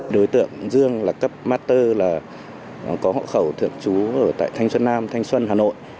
đối tượng dương là cấp master là có hộ khẩu thường trú ở tại thanh xuân nam thanh xuân hà nội